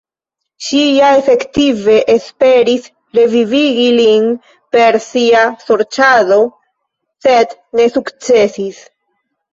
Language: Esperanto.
Ŝi ja efektive esperis revivigi lin per sia sorĉado, sed ne sukcesis.